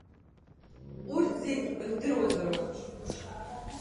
Урҭ зегь рдыруазароуп.